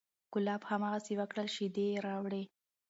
کلاب هماغسې وکړل، شیدې یې راوړې،